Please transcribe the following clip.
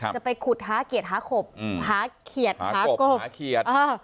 จะไปขุดหาเกียรติหาขบหาเขียดหากบ